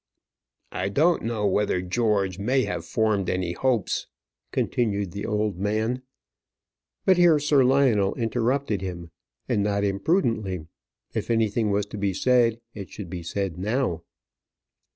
"I don't know whether George may have formed any hopes," continued the old man; but here Sir Lionel interrupted him, and not imprudently: if anything was to be said, it should be said now.